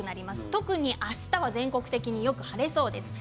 特にあしたは全国的によく晴れそうです。